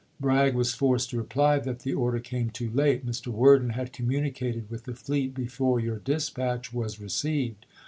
Bragg was forced to reply that the order came too late. " Mr. Worden had communi cated with the fleet before your dispatch [was] re ceived.